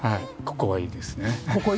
ここいいですよね。